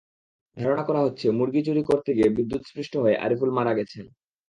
ধারণা করা হচ্ছে, মুরগি চুরি করতে গিয়ে বিদ্যুৎস্পৃষ্ট হয়ে আরিফুল মারা গেছেন।